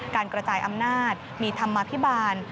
การกระจายอำนาจมีธรรมาภิบาล